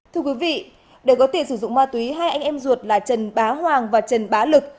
thưa quý vị để có tiền sử dụng ma túy hai anh em ruột là trần bá hoàng và trần bá lực